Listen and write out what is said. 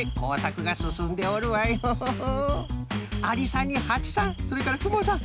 ありさんにはちさんそれからくもさん